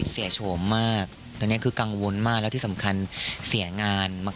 โฉมมากตอนนี้คือกังวลมากแล้วที่สำคัญเสียงานมาก